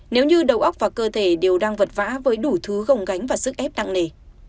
nếu như đầu óc và cơ thể đều đang vật vã với đủ thứ gồng gánh và sức ép nặng nề